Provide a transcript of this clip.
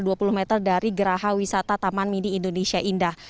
dan saya juga berada di gerah wisata taman mini indonesia indah